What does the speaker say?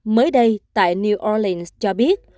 mới đây tại new orleans cho biết